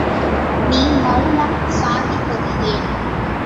நீ மவுனம் சாதிப்பது ஏன்?